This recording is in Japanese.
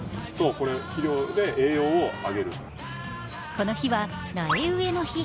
この日は苗植えの日。